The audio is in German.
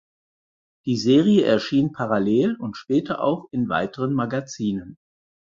Die Serie erschien parallel und später auch in weiteren Magazinen.